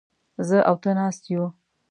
زه او ته ناست يوو.